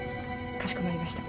かしこまりました。